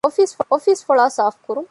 އޮފީސް ފޮޅާ ސާފުކުރުން